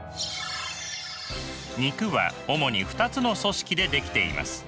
肉は主に２つの組織で出来ています。